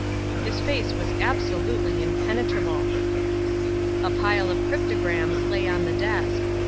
His face was absolutely impenetrable. A pile of cryptograms lay on the desk.